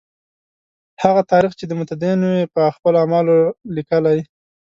هغه تاریخ چې متدینو یې په خپلو اعمالو لیکلی.